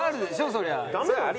そりゃあ。